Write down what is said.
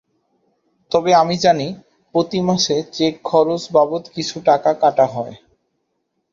তবে আমি জানি, প্রতি মাসে চেক খরচ বাবদ কিছু টাকা কাটা হয়।